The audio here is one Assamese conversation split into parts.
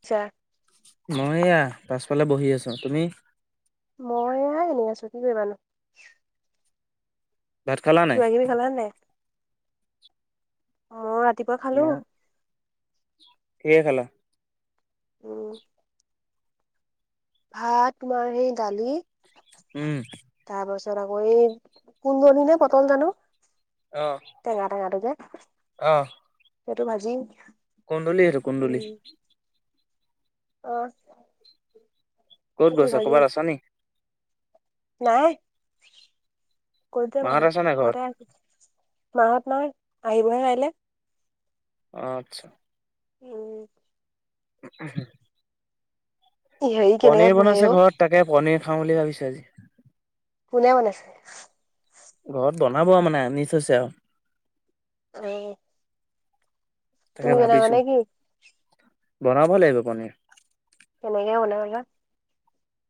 আচ্ছা। মই এইয়া, পাছফালে বহি আছোঁ। তুমি? মই এইয়া এনে আছোঁ, কি কৰিবানো? ভাত খালা নাই কিবা কিবি খালা নাই? মই ৰাতিপুৱা ন খালো। কিহে খালা? উম। ভাত, তোমাৰ সেই দালি। উম। তাৰ পাছত আকৌ এই, কুন্দল নে পটল জানো। অ। টেঙা টেঙাটো যে। অঁ। সেইটো ভাজি। কুন্দুলি সেইটো কুন্দুলি। উম অ। ক'ত সেইটো গৈছা, ভাজি ক'বাত আছা নেকি? নাই, ক'ত যাবা মাহত নো আছা নাই ঘৰত ঘৰতে আছো। মাহত নাই। আহিবহে কাইলে। আচ্ছা। উম। [unintelligible] হেৰি কেনেকে পনীৰ পোহে বনাইছে অ ঘৰত। তাকে পনিৰ খাওঁ বুলি ভাবিছোঁ আজি। কোনে বনাইছে? ঘৰত বনাব আৰু মানে আনি থৈছে আৰু। অ। তাকে তুমি বনাবা ভাবিছো। নে কি বনাব লাগিব পনীৰ। কেনেকে বনাবা?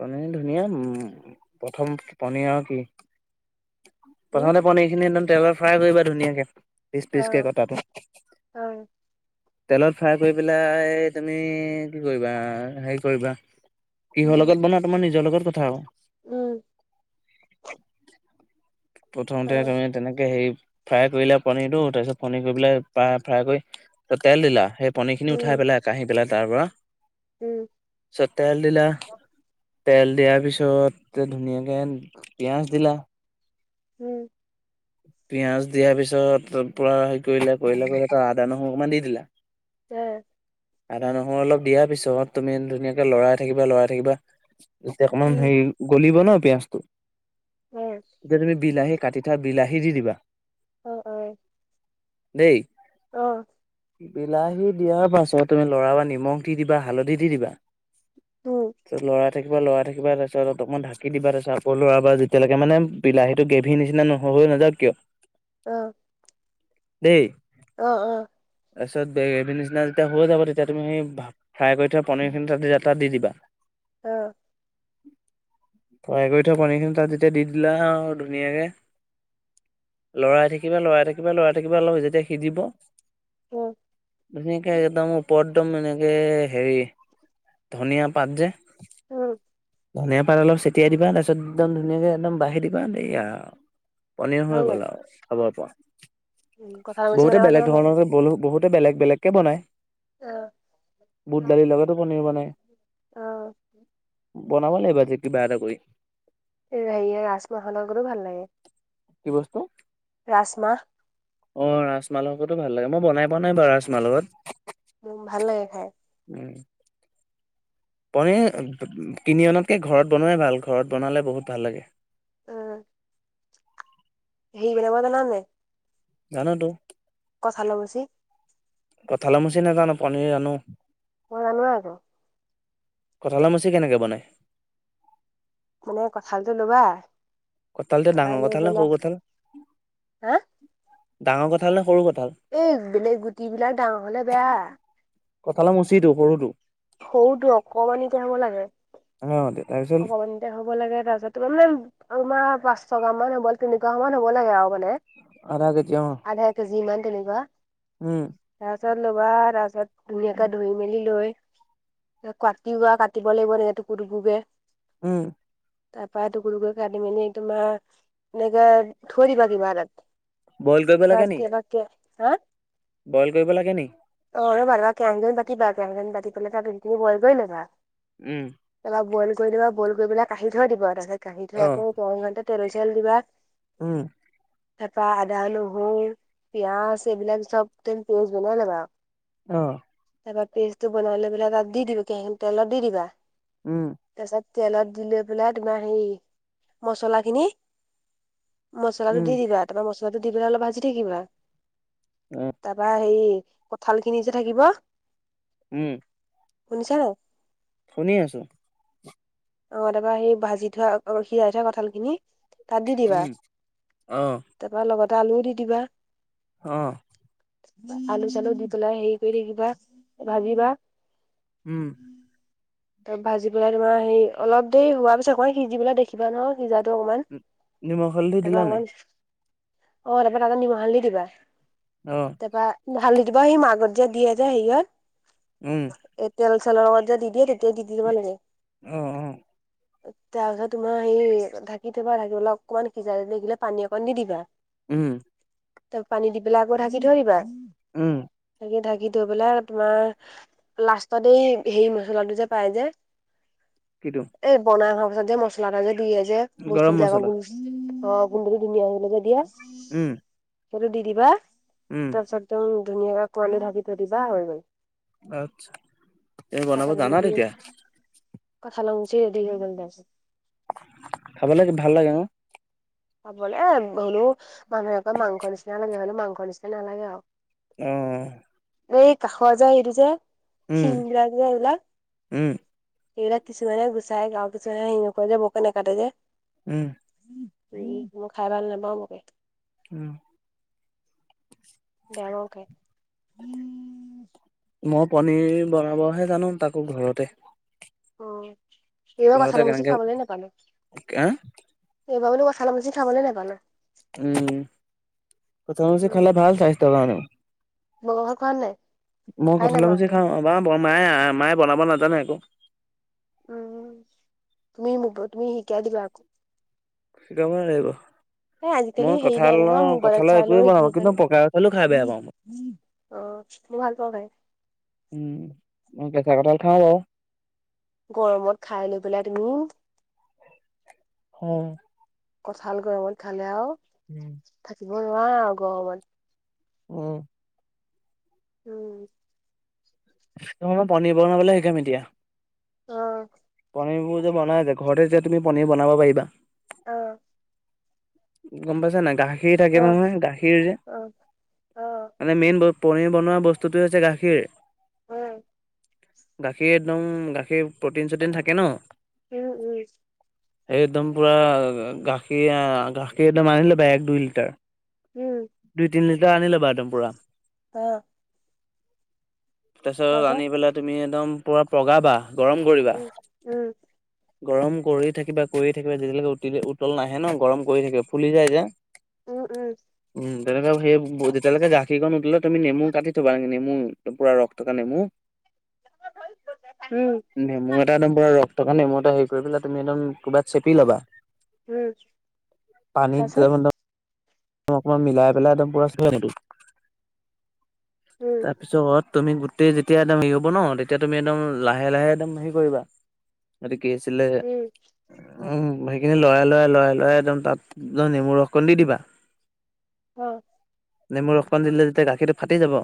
পনীৰ ধুনীয়া উম, প্ৰথম পনীৰ আৰু কি? উম প্ৰথমতে পনীৰখিনি একদম তেলত ফ্ৰাই কৰিবা ধুনীয়াকে, পিচ পিচ কে অ কটাটো। অ তেলত ফ্ৰাই কৰি পেলাই তুমি কি কৰিবা, হেৰি কৰিবা। কিহৰ উম লগত বনা তোমাৰ নিজৰ লগত কথা আও। উম। অ প্ৰথমতে তুমি তেনেকে হেৰি ফ্ৰাই কৰিলে পনীৰটো, তাৰ পিছত পনীৰ কৰি পেলাই ফ্ৰাই কৰি তেল দিলা, সেই পনীৰ খিনি উঠাই উম পেলাই। কাঢ়ি পেলাই তাৰ পৰা। উম। চত তেল দিলা। তেল দিয়াৰ পিছত ধুনীয়াকে পিঁয়াজ দিলা। উম। পিয়াজ দিয়াৰ পিছত পূৰা হেৰি কৰিলে, কৰিলে, কৰিলে তাত আদা নহৰু অকণমান দি দিলা। তে। আদা নহৰু অলপ দিয়াৰ পিছত তুমি ধুনীয়াকে লৰাই থাকিবা লৰাই থাকিবা। তেতিয়া অকমান হেৰি গলিব ন পিয়াজটো। এতিয়া তুমি বিলাহী কাটি থোৱা বিলাহী দি দিবা। অ' অ'। দেই। অ'। বিলাহী দিয়াৰ পাছত তুমি লৰা বা নিমখ দি দিবা হালধি দি দিবা! [unintelligible] হৈ নাযাওঁক কিয়! অ' দেই! অ' অ'! তাৰপিছত গেভী নিচিনা যেতিয়া হৈ যাব! তেতিয়া তুমি সেই ভ ফ্ৰাই কৰি থোৱা পনীৰ খিনি তাতে এটা দি! দিবা অ' কহাই কৰি থোৱা পনী খিনি তাত যেতিয়া দি দিলা আৰু ধুনীয়াকে! লৰাই থাকিবা লৰাই থাকিবা লৰাই থাকিবা অলপ এ যেতিয়া সিজিব! উম! একে একদম ওপৰত দম এনেকে হেৰি ধনিয়া পাত যে উম! ধনিয়া পাত অলপ চটিয়াই দিবা তাপিছত একদম ধুনীয়াকে একদম বাঢ়ি দিবা দেই আৰু? পনীৰ হৈ গ'ল আৰু খাব পৰা কথা কৈছো বহুতে বেলেগ ধৰণৰ! ব বহুতে বেলেগ বেলেগকে বনায়! অ' লগতো পনীৰ অ'! বনাাব লাগিব কিবা এটা কৰি! [unintelligible] কি বস্তু? ৰাজমা হ! অ' ৰাজ মাহ লগতো ভাল লাগে! মই বনাই পোৱা নাই বাৰু ৰাজমাহ! উম! ভাল লাগে খাই? উম! পনীৰ কিনি অনাতকে ঘৰত বনোৱাই ভাল! ঘৰত বনালে বহুত ভাল লাগে! উম! [unintelligible] [inaudible] কঠা ল মুচি! কঁঠাল মুছি নেজানো! পনীৰ জানো! মই জানোই আ কঁঠালাৰ মুচি কেনেকৈ বনায় মানে কথালো ল'বা কঁঠালতে তাৰপৰা ডাঙৰ লৈ কথা হলে সৰু পেলাই কঁঠাল হা ডাঙৰ কথা হলে সৰু কঁঠাল এই বেলেক গুটি বিলাক ডাঙৰ হলে বেয়া কঁঠালৰ মুচিটো সৰুটো সৰুটো অকণমানিকে হব লাগে অ', দে তাৰপিছ তেয়া হ'ব লাগে তাৰপিছত তোমাৰ মানে তোমাৰ পাঁচ ছশাহ মান হ'ব তিনিগ মান হ'ব লাগে আৰু মানে আধা কেজি অ আধা কেজি মানে তাৰ উম পাছত লবা তাৰ পাছত ধুনীয়াকে ধুই মেলি লৈ [unintelligible] কাটিওোৱা কাটিব লাগিব নে টুকু টুকুকে অ', তাপা [unintelligible] কাটি মেলি তোমাৰ এনেকে থৈ দিবা কিবা তাত বইল কৰিব লাগে [unintelligible] নি দিয়া [unintelligible] দিয়া, হা? বইল কৰিব লাগে নি? অ, ৰ'বা [unintelligible] পাতিবা কে [unintelligible] পাতি পেলাই তাত [unintelligible] খিনি বইল কৰি ল'বা। উম। তাৰপা বইল কৰি দিবা বইল কৰি পেলাই কঢ়ি থৈ দিব, তাৰপিছত কঢ়ি থৈ অ আকৌ কৰ [unintelligible] খেতে তেল চেল দিবা। উম। তাপা আদা নহৰু পিয়াজ এইবিলাক চব তুমি পেজ বনাই ল'বা। অ। তাৰপৰা পেজটো বনাই লৈ পেলাই তাত দি দিবা, কেৰালা তেলত দি দিবা। উম। তাৰ পিছত তেলত দি লৈ পেলাই তোমাৰ হেৰি মচলা খিনি মছলাটো উম। দি দিবা তাৰ পৰা মছলাটো দি পেলাই অলপ ভাজি থাকিবা। অ'। তাৰপা হেৰি কঠাল খিনি যে থাকিব। উম। শুনিছা নাই? শুনি আছো। অ', তাৰপৰা সেই ভাজি থোৱা সিজাই থোৱা কঁঠাল খিনি তাত দি দিবা। উম, অ', তাৰপা লগতে আলুও দি দিবা। অ। আলু চালু দি পেলাই হেৰি কৰি থাকিবা, ভাজিবা। উম। তাৰ ভাজি পেলাই তোমাৰ হেৰি অলপ দেৰি হোৱা পিছত অকমান সিজি পেলাই দেখিবা নহয়। সিজাটো অকমান, নিমখ হালধি দিলা তাৰপা নাই? অকমান অ', তাৰপা তাতে নিমখ [inaudible] দি দিবা অ', তাৰপা ঢালি দিবা সি মাজত যে দিয়ে যে সেইয়ত উম। এ তেল চেলৰ লগত যে দি দিয়ে তেতিয়াই দি দিব লাগে। অ'। তাৰ পিছত তোমাৰ সেই ঢাকি থ'বা, ঢাকি পেলাই অকণমান সিজাই দেখিলে পানী অকণ দি দিবা। উম। তাত পানী দি পেলাই আকৌ ঢাকি থৈ দিবা। উম। থাকি থৈ পেলাই তোমাৰ লাষ্টত এই হেই মছলাটো যে পাই যে। কিটো? এই বনাই খোৱা পিছত যে মছলা এটা যে দিয়ে যে, গৰম বস্তুবিলাকৰ মছলা, গোন্ধ অ', গোন্ধটো ধুনীয়া হ'বলে যে দিয়ে। উম। সেইটো দি দিবা উম, তাৰপিছত একদম ধুনীয়াকে কোঁৱালী ঢাকি থৈ দিবা হৈ গ'ল। আটচ্ছা, তে বনাব জানা তেতিয়া। কঠাল মুচি ৰেডি হৈ গ'ল তাৰ পাছত। খাব ভাল লাগে ন। খাবলে এ হলেও মানুহে আকৌ মাংস নিচিনা লাগে হলেও মাংস নিচিনা নালাগে আৰু। অঁ। এই কাষৰ যে সেইটো যে উম, শিঙৰা যে ওলাই। উম, এইবিলাক কিছুমানে গুচাই আৰু কিছুমানে হেৰি নকৰে যে বকে নাকাটে যে। উম। উম মই খায় ভাল নাপাওঁ বৰকে। উম। ডাঙৰকে। মই পনীৰ বনাবহে জানো তাকো ঘৰতে। অঁ এইবাৰ ঘৰতে কঁঠাল মচি কেনেকে খাবলে নেপালো। হা? এইবাৰ মানে কঠালৰ মচি খাবলে নেপালোঁ। উম, কঠালৰ মচি খালে ভাল স্বাস্থ্যৰ কাৰণে। মঙহ ভাগ খোৱা নে? মই কঠালৰ মুচি খাওঁ, আমাৰ বৰমায়ে মায়ে বনাব নাজানে আকৌ। উম তুমি মোক তুমি শিকায় দিবা আকৌ। শিকাব লাগিব। এ আজিকালি মই হেৰি নাই নহয় কঁঠালৰ মোবাইলত কঁঠালৰ চাই লৈও একোৱেই শিকিব বনাওঁ, কিন্তু পকা কঁঠালো খায় বেয়া পাওঁ মই। অঁ মই ভাল পাওঁ খায়। উম মই কেঁচা কঁঠাল খাওঁ বাও। গৰমত খায় লৈ পেলাই তুমি হয়। কঠাল গৰমত খালে আও উম। থাকিব নোৱাৰো আও গৰমতম উম। উম। তোমাক পনীৰ বনাবলে শিকাম এতিয়া। অঁ। পনীৰবোৰ যে বনাই যে ঘৰতে যে তুমি পনীৰ বনাব পাৰিবা। অঁ। গম পাইছা নাই? গাখীৰ থাকে নহয় গাখীৰ যে মানে মেইন ব পনীৰ বনোৱা বস্তুটোৱে হৈছে গাখীৰ। উম। গাখীৰ একদম গাখীৰ প্ৰ'টিন চটিন থাকে ন উম উম। এই একদম পুৰা গাখীৰ আ গাখীৰ একদম আনি লবা এক দুই লিটাৰ। দুই তিন লিটাৰ আনি ল'বা একদম পোৰা। অঁ। তাৰপিছত আনি পেলাই তুমি একদম পোৰা পগাবা গৰম কৰিবা। গৰম কৰি থাকিবা কৰি থাকিবা যেতিয়ালৈকে উতলি উতল নাহে ন গৰম কৰি থাকিবা। ফুলি যায় যে। উম উম। উম তেনেকে সেই যেতিয়ালৈকে গাখীকন উতলে তুমি নেমু কাটি থ'বা, নেমু পোৰা ৰস থকা নেমু। [inaudible] উম। নেমু এটা একদম পোৰা ৰস থকা নেমু এটা হেৰি কৰি পেলাই তুমি একদম কৰবাত চেপি লবা। উম পানীত [unintelligible] অকমান মিলাই পেলাই একদম পুৰা ব্ৰাছ কৰি আনিবি তাৰপিছত তুমি গোটেই গোটেই যেতিয়া একদম হে হব ন তেতিয়া তুমি একদম লাহে লাহে একদম হেৰি কৰিবা এইটো কি আছিলে উম সেইখিনি লৰাই লৰাই লৰাই লৰাই একদম তাত নেমু ৰসকণ দি দিবা উম নেমুৰ ৰস অসণ দিলে তেতিয়া গাখীৰটো ফাটি যাব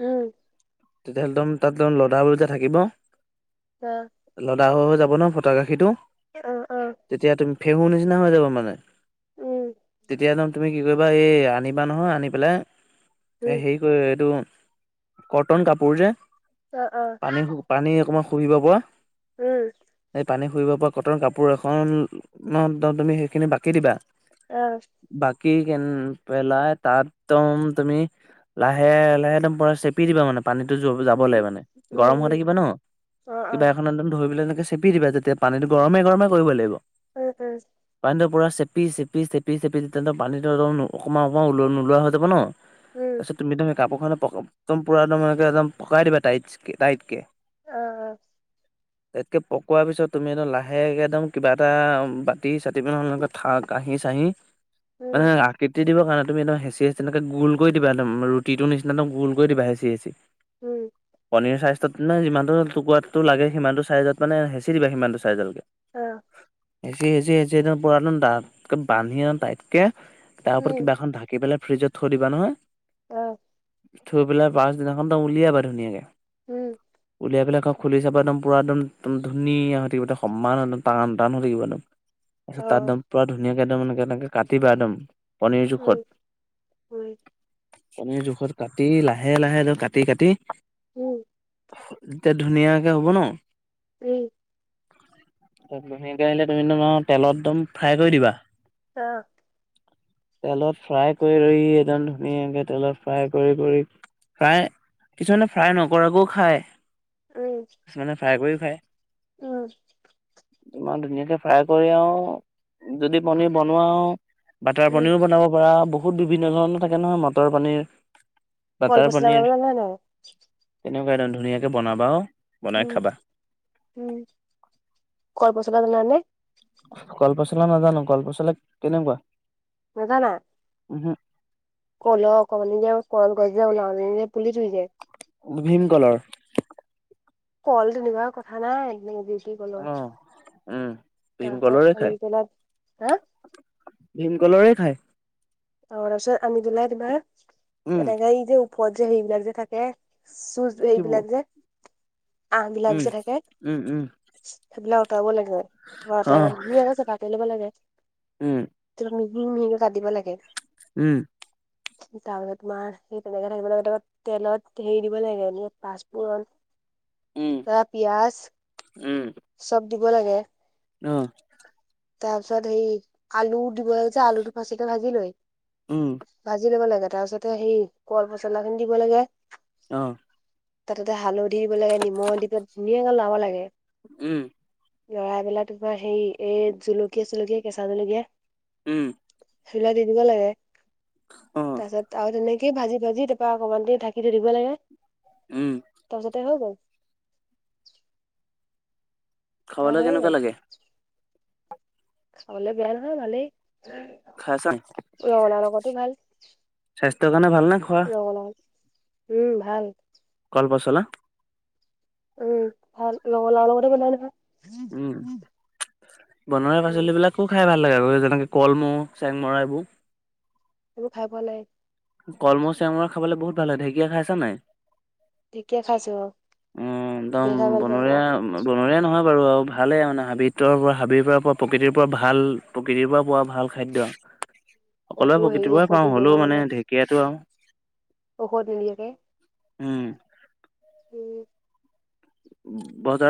উম তেতিয়াহ'লেদম ত লডা লা থাকিব অ লডা হৈ হৈ যাব ন ফটা গাখীটো অ অ তেতিয়া তুমি ফেহুৰ নিচিনা হৈ যাব মানে তেতিয়া এড তুমি কি কৰিবা এই আনিবা নহয় আনি পেলাই এই হে কি কয় এইটো কটন কাপোৰ যে পানী পানী অকণমান শুহিব পৰা সেই পানী শুৰিব পৰা কটন কাপোৰ এখনত তুমি সেইখিনি বাকি দিবা অ বাকী কেনে পেলাই তাতদম তুমি লাহে লাহে একদম পুৰা চেপি দিবা মানে পানীতো যাব লে মানে গৰম হৈ থাকিবা ন কিবা ন ধৰিপেলাই তেনেকে চেপি দিবা যেতিয়া পানীটো গৰমে গৰমে কৰিব লাগিব উম উম পানীটোৰ পূৰা চেপি চেপি চেপি চেপি তেন্তে পানীটো অল অকণমান অকণমান নোলোৱা হৈ যাব ন তাৰপিছত তুমি একদম সেই কাপোৰখ একদম পৰা একম একদম পকাই দিবা টাইচ কে টাইট কে অ অ [inaudible] তাতকে পকোৱাৰ পিছত তুমি একদম লাহেকে একদম কিবা এটা বাতি চাতি পি [unintelligible] কাঁহি চাহি মানে আকৃতিত দিব কাৰণে তুমি একদম হেচি হেচি তেনেক গল কৰি দিব একদম ৰুটিৰ নিচিনা একদম গল কৰি দিবা হেচি হেচি উম পনীৰ চাইজটোত মানে যিমানটো টুকুৰাটো লাগে সিমানটো চাইজত মানে হেঁচী দিবা সিমানটো চাইজলৈকে অ হেচি হেচি হেচি পূৰা দাতকে বান্ধি আন তাইতকে তাৰ ওপৰত কিবা এখনঢাক কি পেলাই ফ্ৰিজত থৈ দিবা নহয় অ থৈ পেলাই পাছদিনাখন ত উলিয়াবা ধুনীয়াকে উম সেই বিলাকক খুলি চাব একদম পুৰা একদমম ধুনীয়া হৈ থাকিব সমানম টান টান হৈ থাকিব একদম তাৰপিছত তাতম পৰা ধুনীয়াকে একদম এক এনেকে কাটিবা একদম পণীৰ জোখত পনীৰ জোখত কাটি লাহে লাহে লৈ কাটি কাটি উম এতিয়া ধুনীয়াকে হ'ব ন উম। ত বহীকৈ আহিলে তুমি তোমাৰ তেলত একদম ফ্ৰাই কৰি দিবা। অ। তেলত ফ্ৰাই কৰি ৰই একদম ধুনীয়াকে তেলত ফ্ৰাই কৰি কৰি ফ্ৰাই, কিছুমানে ফ্ৰাই নকৰাকৈও খায়। উম। কিছুমানে ফ্ৰাই কৰি খায়। উম। ইমান ধুনীয়াকে ফ্ৰাই কৰি আৰু যদি পনীৰ বনোৱাও বাটাৰ পনীৰো বনাব পাৰা, বহুত বিভিন্ন ধৰণৰ থাকে নহয় মটৰ পনীৰ বাটাৰ কলপচলা পনীৰ বনাব জানা নে নাই? তেনেকুৱা একদম ধুনীয়াকে বনাবা। উম বনাই খাবা। উম, কল পচলা জানানে? কলপচলা নাজানো, কলপচলা কেনেকুৱা? নাজানা? উমহু। কলহ অকমান নি যে কল গছ যে ওলাওঁ [unintelligible] পুলি ধুই যায়। উম ভীমকলৰ। কল তেনেকুৱা কথা নাই এ দি [unintelligible] টি অ কলৰ উম ভীমকলৰে তাৰপিছত আনি খায় পেলাই হা ভীমকলৰে খায়। অ তাৰপিছত আমি তোলাই তিবা উম এনেকাই এই যে ওপৰত যে হেৰিবিলাক যে থাকে চু কিব এইবিলাক যে আহবিলাক উম যে থাকে। উম উম সেইবিলাক উতাব লাগে, [unintelligible] অ পেলাই ধুনীয়াকে চাফা কৰি ল'ব লাগে। উম [unintelligible] মিহি মিহিকে কাটিব লাগে। উম। তাৰপিছত তোমাৰ সেই তেনেকে থাকিব লাগে ত তেলত হেৰি দিব লাগে এনে পাঁচফোৰণ। উম ত পিয়াজ উম চব দিব লাগে। অ। তাৰ পিছত সেই আলু দিব যে আলুটো ফাচিক ভাজি লৈ উম। ভাজি ল'ব লাগে তাৰ পিছতে সেই কল পচলাখিনি দিব লাগে। অ। তাতে তা হালধি দিব লাগে, নিমখ দি পে ধুনীয়াকে লাব লাগে। উম। লৰাই পেলাই তোমাৰ হেৰি এই জুলকীয়া - চুলকীয়া কেঁচা জলকীয়া। উম। চলাই দি দিব লাগে অ তাৰ পিছত আৰু তেনে তাকে ভাজি ভাজি তাৰপা অকমান দেৰি ঢাকি থৈ দিব লাগে উম তাৰপিছতে হৈ গ'ল। তাৰ খাবলৈ হৈয়ে কেনেকুৱা লাগে? খাবলে বেয়া নহয় ভালেই। এ খাইছা ৰঙালাও লগতে ভাল, স্বাস্থ্যৰ কাৰণে ভাল নে খোৱা ৰঙালাও। উম ভাল। কলপচলা। উম ভাল লগৰ লৰা লগতে গলা নহয় উম বনোৱা উম পাচলিবিলাক খুব খাই ভাল লাগে আৰু যেনেকে কলমৌহ চেংমৰা এইবোৰ সেইবোৰ খাই পোৱা নাই কলমৌ চেঙমৰা খাবলৈ বহুত ভাল হয় ঢেকীয়া খাইছা নাই ঠিকে খাইছো অ উম একদম বনৰীয়া বনৰীয়া নহয় বাৰু আৰু ভালে মানে হাবিতৰ পৰা হাবিৰ পৰা পৰা প্ৰকৃতিৰ পৰা ভাল প্ৰকৃতিৰ পৰা পোৱা ভাল খাদ্য একো সকলোৱে হেৰি প্ৰকৃতিৰ পৰা ঔষধ পাওঁ নিদিয়াকে হ'লেও মানে বনাই ঢেকীয়াাতো আৰু ঔষধ নিদিয়াকে উম উ বজাৰত